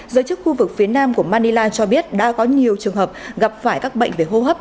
giới chức khu vực phía nam của manila cho biết đã có nhiều trường hợp gặp phải các bệnh về hô hấp